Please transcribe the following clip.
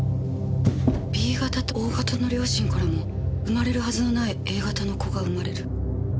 Ｂ型とＯ型の両親からも生まれるはずのないＡ型の子が生まれる。